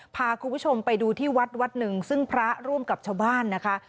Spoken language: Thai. พาคุณผู้ชมไปดูที่วัดวัดหนึ่งซึ่งพระร่วมกับชาวบ้านนะคะ